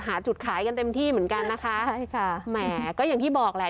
หาจุดขายกันเต็มที่เหมือนกันนะคะใช่ค่ะแหมก็อย่างที่บอกแหละ